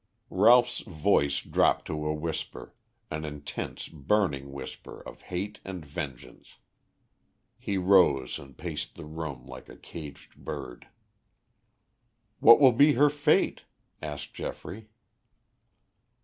Ralph's voice dropped to a whisper, an intense, burning whisper of hate and vengeance. He rose and paced the room like a caged bird. "What will be her fate?" asked Geoffrey.